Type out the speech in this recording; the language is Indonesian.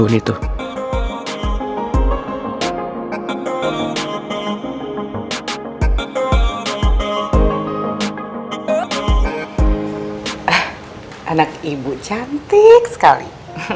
anak ibu cantik sekali